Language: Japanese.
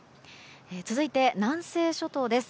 続いて、南西諸島です。